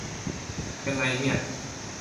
ยังไงเนี่ย